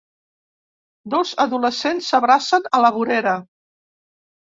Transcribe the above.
Dos adolescents s'abracen a la vorera.